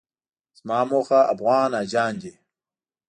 زما موخه افغان حاجیان دي.